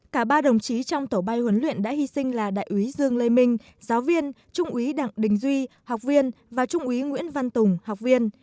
cả ba đồng chí trong tổ bay huấn luyện đã hy sinh là đại úy dương lê minh giáo viên trung úy đặng đình duy học viên và trung úy nguyễn văn tùng học viên